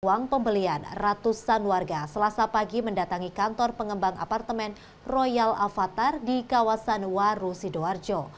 uang pembelian ratusan warga selasa pagi mendatangi kantor pengembang apartemen royal avatar di kawasan waru sidoarjo